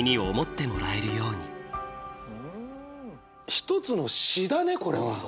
一つの詩だねこれは。